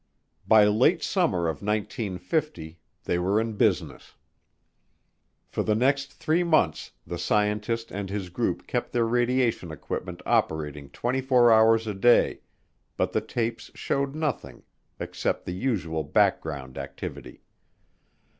By late summer of 1950 they were in business. For the next three months the scientist and his group kept their radiation equipment operating twenty four hours a day, but the tapes showed nothing except the usual background activity.